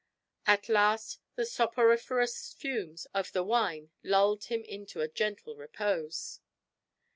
At last the soporiferous fumes of the wine lulled him into a gentle repose.